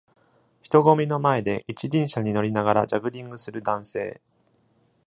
人ごみの前で一輪車に乗りながらジャグリングする男性。